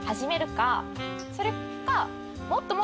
それか。